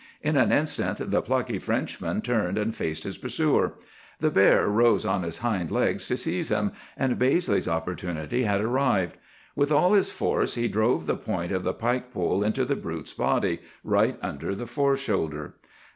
"In an instant the plucky Frenchman turned and faced his pursuer. The bear rose on his hind legs to seize him, and Baizley's opportunity had arrived. With all his force he drove the point of the pike pole into the brute's body, right under the foreshoulder.